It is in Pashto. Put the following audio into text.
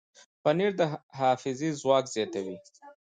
پنېر د حافظې ځواک زیاتوي.